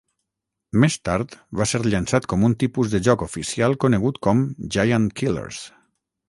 Més tard va ser llançat com un tipus de joc oficial conegut com "Giant Killers".